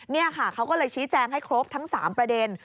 นี่ค่ะเขาก็เลยชี้แจงให้ครบทั้ง๓ประเด็น